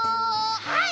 はい！